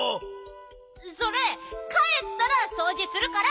それかえったらそうじするから！